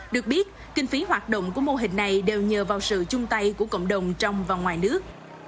được biết kinh phí hoạt động của mô hình này đều nhờ vào sự chung tay của cộng đồng trong và ngoài nước